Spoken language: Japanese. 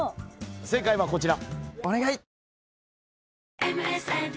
正解はこちら。